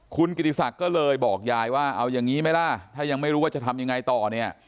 คุณกิติศักดิ์ก็เลยบอกยายว่าเอาอย่างนี้ไหมล่ะถ้ายังไม่รู้ว่าจะทำยังไงต่อเนี่ย